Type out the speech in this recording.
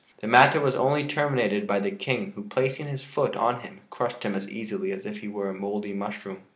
The matter was only terminated by the King who, placing his foot on him, crushed him as easily as if he were a mouldy mushroom.